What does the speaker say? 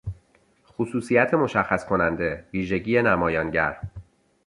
خصوصیت مشخص کننده، ویژگی نمایانگر